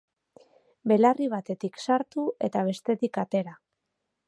Belarri batetik sartu eta bestetik atera.